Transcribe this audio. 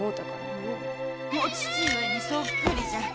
お父上にそっくりじゃ。